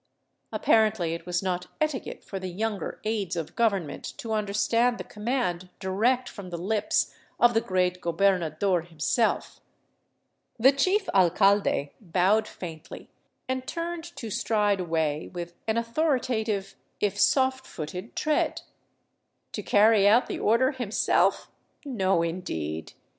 Apparently it was not etiquette for the younger aids of government to understand the command direct from the lips of the great gobernador himself. The chief alcalde bowed faintly and turned to stride away with an authorita tive, if soft footed tread. To carry out the order himself? No, in deed !